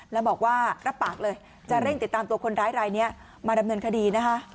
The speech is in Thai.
แล้วบอกว่ารับปากเลยจะเร่งติดตามตัวคนร้ายรายนี้มาดำเนินคดีนะคะ